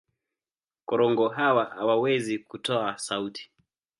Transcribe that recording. Korongo hawa hawawezi kutoa sauti.